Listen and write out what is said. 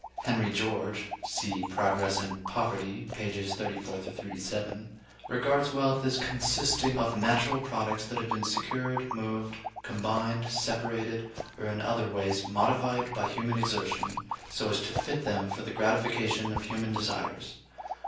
Henry George (see "Progress and Poverty," pp. 34 37) regards wealth as consisting "of natural products that have been secured, moved, combined, separated, or in other ways modified by human exertion, so as to fit them for the gratification of human desires....